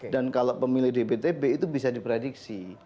dan kalau pemilih dptb itu bisa diprediksi